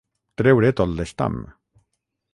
Treure tot l'estam.